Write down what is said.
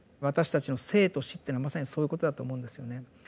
私たちの生と死っていうのはまさにそういうことだと思うんですよね。